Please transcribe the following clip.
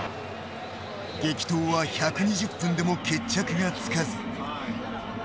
激闘は１２０分でも決着がつかず。